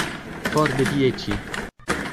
For de tie ĉi!